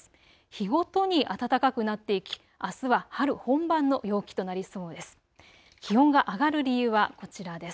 日ごとに暖かくなっていきあすは春本番の陽気となりそうです。